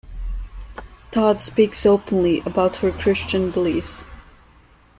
Todd speaks openly about her Christian beliefs.